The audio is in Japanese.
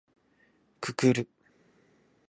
くくる